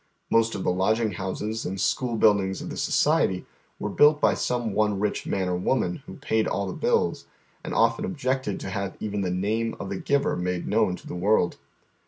Most of the lodging houses and school buildings of the society were built by some one rich man or woman who paid all the bills, aiid often objected to have even tlie name of the giver made known to the world.